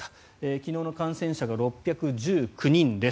昨日の感染者が６１９人です。